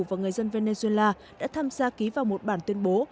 và người dân venezuela đã tham gia ký vào một bản tuyên bố